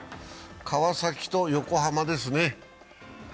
川崎と横浜ですね。